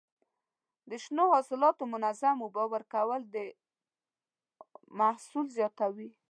د شنو حاصلاتو منظم اوبه ورکول د محصول زیاتوي.